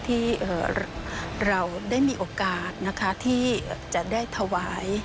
ที่เราได้มีโอกาสนะคะที่จะได้ถวาย